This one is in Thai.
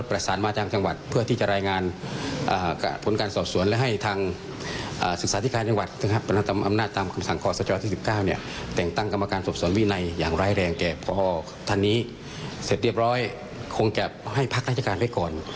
เรียบร้อยคงจะให้พักราชการไว้ก่อน